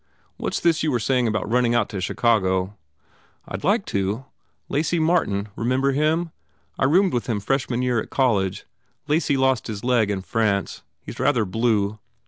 What s this you were saying about running out to Chicago?" "I d rather like to. Lacy Martin remember him? I roomed with him freshman year at col lege Lacy lost his leg in France. He s rather blue.